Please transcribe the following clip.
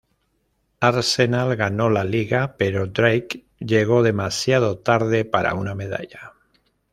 Arsenal ganó la liga pero Drake llegó demasiado tarde para una medalla.